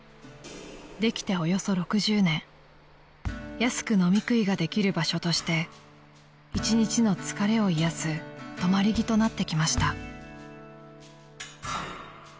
［安く飲み食いができる場所として一日の疲れを癒やす止まり木となってきました］